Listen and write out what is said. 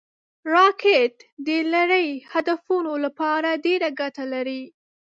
راکټ د لرې هدفونو لپاره ډېره ګټه لري